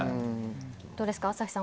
どうですか、朝日さん